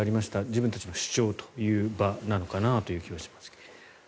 自分たちの主張なのかなという感じがしますが。